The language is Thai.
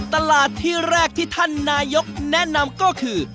ตลาดที่แรกที่ท่านนายกแนะนำก็คือ